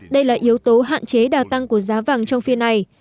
đây là yếu tố hạn chế đa tăng của giá vàng trong phiên này